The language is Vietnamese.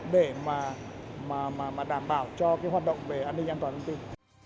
để mà đảm bảo cho cái hoạt động về an ninh an toàn thông tin